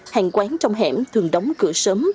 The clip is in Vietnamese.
hàng quán trong hẻm thường đóng cửa sớm